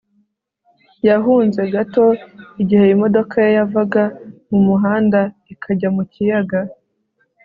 yahunze gato igihe imodoka ye yavaga mu muhanda ikajya mu kiyaga